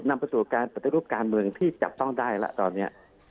นำไปสู่การปฏิรูปการเมืองที่จับต้องได้แล้วตอนนี้